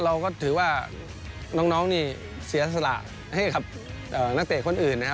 เราก็ถือว่าน้องนี่เสียสละให้กับนักเตะคนอื่นนะครับ